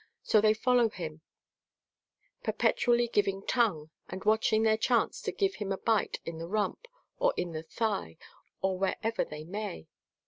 So they follow him, per petually giving tongue, and watching their chance to give him a bite in the rump or in the thigh, or wherever they may.